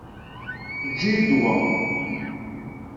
Eǧǧ-iyi-d wa.